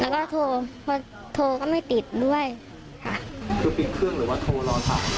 แล้วก็โทรโทรก็ไม่ติดด้วยค่ะ